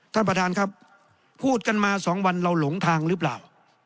ท่านประธานครับพูดกันมาสองวันเราหลงทางหรือเปล่า